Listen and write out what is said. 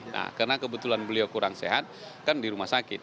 nah karena kebetulan beliau kurang sehat kan di rumah sakit